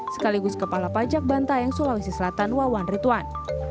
sekaligus kepala pajak bantayang sulawesi selatan wawan ritwan